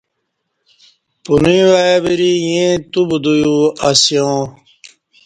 پنوی وای وری ییں توبدویو اسیاں